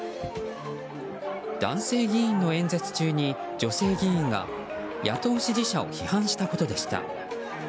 男性議員の演説中に女性議員が野党支持者を批判したことでした。